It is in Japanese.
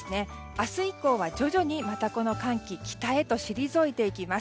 明日以降は徐々に寒気が北へと退いていきます。